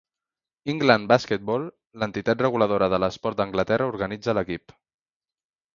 England Basketball, l'entitat reguladora de l'esport d'Anglaterra organitza l'equip.